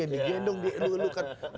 yang digendong dilulukan